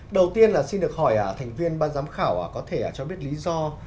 đầu tiên là xin được hỏi thành viên ban giám khảo có thể cho biết lý do